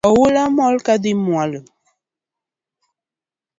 Oula mol kadhi mwalo